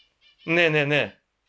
ねえねえねえ。